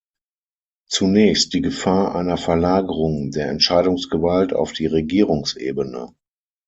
Zunächst die Gefahr einer Verlagerung der Entscheidungsgewalt auf die Regierungsebene.